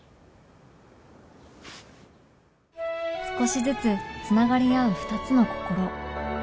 少しずつ繋がり合う２つの心